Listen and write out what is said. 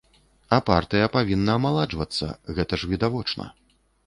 А партыя павінна амаладжвацца, гэта ж відавочна.